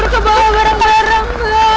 kita nyebur ke bawah bareng bareng